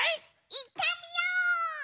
いってみよう！